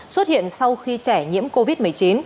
xuất hiện sau khi trẻ nhiễm covid một mươi chín